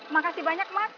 makasih banyak mas